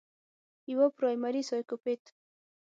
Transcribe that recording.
يوه پرائمري سايکوپېت